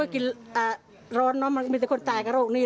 กินร้อนเนอะมันก็มีแต่คนตายกับโรคนี้